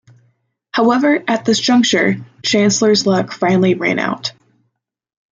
However at this juncture Chancellor's luck finally ran out.